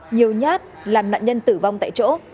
nhiều nhát làm nạn nhân tử vong tại chỗ